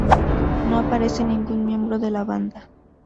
No aparece ningún miembro de la banda.